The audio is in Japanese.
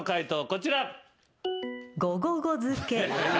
こちら。